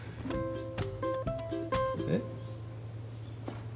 えっ？